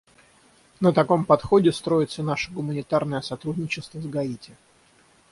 На таком подходе строится наше гуманитарное сотрудничество с Гаити.